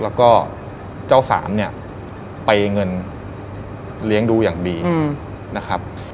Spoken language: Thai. แล้วก็เจ้าสามเนี่ยไปเงินเลี้ยงดูอย่างดีนะครับ